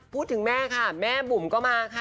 พูดถึงแม่ค่ะแม่บุ๋มก็มาค่ะ